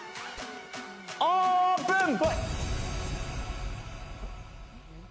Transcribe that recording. オープン！